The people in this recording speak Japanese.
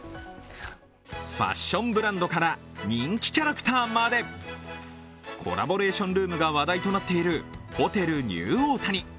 ファッションブランドから人気キャラクターまでコラボレーションルームが話題となっているホテルニューオータニ。